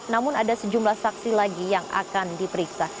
namun ada sejumlah saksi lagi yang akan diperiksa